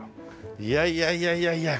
いやいやいやいや。